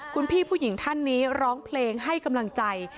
คุณพี่ผู้หญิงท่านนี้ร้องเพลงให้กำลังใจ